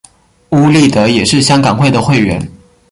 邬励德也是香港会的会员。